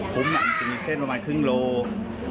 คุ้มหนังจะมีเส้นประมาณครึ่งโลกรัม